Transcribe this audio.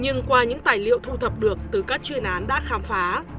nhưng qua những tài liệu thu thập được từ các chuyên án đã khám phá